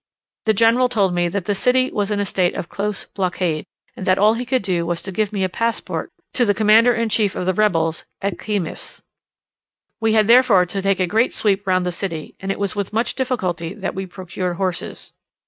The general told me that the city was in a state of close blockade, and that all he could do was to give me a passport to the commander in chief of the rebels at Quilmes. We had therefore to take a great sweep round the city, and it was with much difficulty that we procured horses.